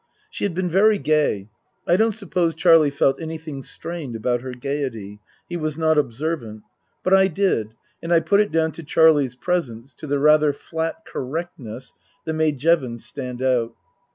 She had been very gay. I don't suppose Charlie felt anything strained about her gaiety he was not observant but I did, and I put it down to Charlie's presence, to the rather flat correctness that made Jevons stand out.